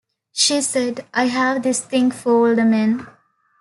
She said, I have this thing for older men.